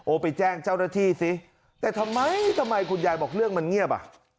ไปแจ้งเจ้าหน้าที่สิแต่ทำไมทำไมคุณยายบอกเรื่องมันเงียบอ่ะ